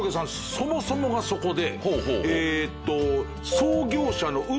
そもそもがそこで。